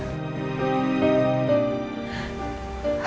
alhamdulillah kamu gak kenapa napa